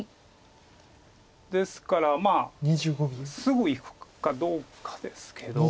ですからまあすぐいくかどうかですけど。